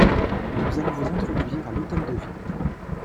Nous allons vous introduire à l'Hôtel de Ville.